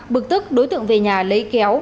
bực tức đối tượng về nhà lấy kéo